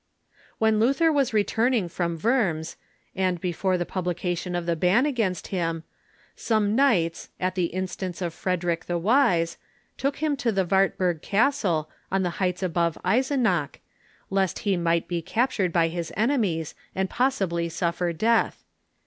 When Luther M^as returning from Worms, and before the publication of the ban against him, some knights, at the in stance of Frederick the Wise, took him to the Wartbui g Cas tle, on the heights above Eisenach, lest he might be captured by his enemies, and possibly suffer death.